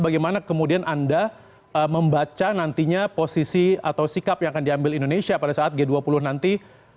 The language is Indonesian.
bagaimana kemudian anda membaca nantinya posisi atau sikap yang akan diambil indonesia pada saat g dua puluh nanti